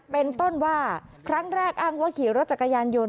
เป็นต้นว่าครั้งแรกอ้างว่าขี่รถจักรยานยนต์